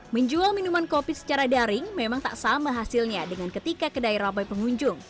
menjual minuman kopi secara daring memang tak sama hasilnya dengan ketika kedai ramai pengunjung